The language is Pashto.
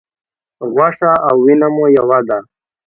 غوښه او وینه مو یوه ده.